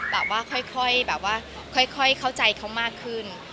แบบว่าค่อยเข้าใจเขามากขึ้น